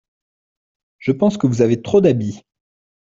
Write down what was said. Je pense que vous avez trop d’habits.